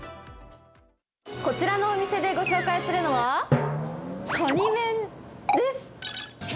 こちらのお店でご紹介するのは、カニ面です。